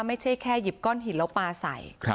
ไม่ใช่แค่หยิบก้อนหินแล้วปลาใส่